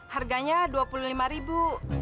harganya rp dua puluh lima ribu